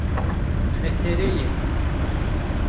Xetere ye.